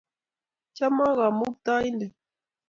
Chomok kamuktaindet